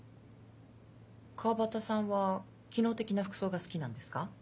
川端さんは機能的な服装が好きなんですか？